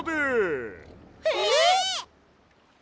えっ！？